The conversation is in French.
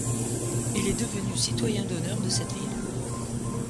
Il est devenu citoyen d'honneur de cette ville.